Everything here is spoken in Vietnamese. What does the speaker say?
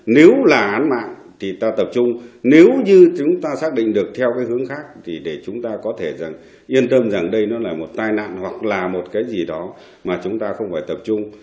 nếu là án mạng thì ta tập trung nếu như chúng ta xác định được theo cái hướng khác thì để chúng ta có thể yên tâm rằng đây nó là một tai nạn hoặc là một cái gì đó mà chúng ta không phải tập trung